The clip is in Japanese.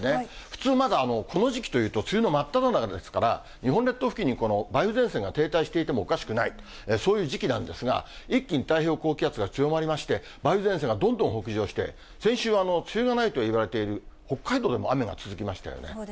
普通、まだこの時期というと、梅雨の真っただ中ですから、日本列島付近に梅雨前線が停滞していてもおかしくない、そういう時期なんですが、一気に太平洋高気圧が強まりまして、梅雨前線がどんどん北上して、先週は梅雨がないといわれている北海道でも雨が続きましたよね。